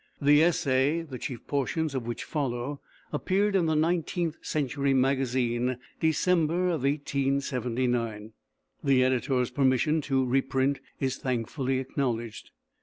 The essay, the chief portions of which follow, appeared in the Nineteenth Century Magazine, December, 1879. The editor's permission to reprint is thankfully acknowledged.